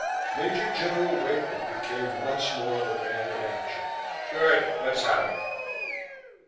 Major General Wakely became once more the man of action. "Good, let's have it!"